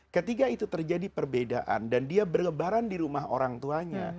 ketika itu terjadi perbedaan dan dia berlebaran di rumah orang tuanya